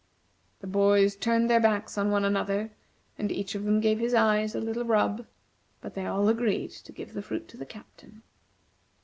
The boys turned their backs on one another, and each of them gave his eyes a little rub, but they all agreed to give the fruit to the Captain.